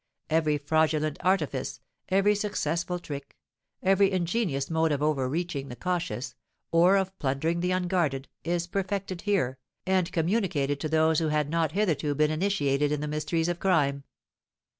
Every fraudulent artifice, every successful trick, every ingenious mode of over reaching the cautious, or of plundering the unguarded, is perfected here, and communicated to those who had not hitherto been initiated in the mysteries of crime.